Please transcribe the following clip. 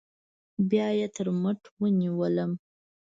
بيا يې تر مټ ونيوم.